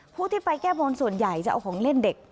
ผู้ที่ไปแก้บนส่วนใหญ่จะเอาของเล่นเด็ก